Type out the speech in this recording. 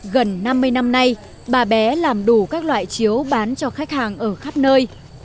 gần năm mươi năm nay bà bé làm đủ các loại chiếu bán cho khách hàng ở khắp nơi